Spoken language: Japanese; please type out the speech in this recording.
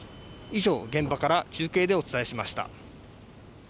以上現場から中継でお伝えしました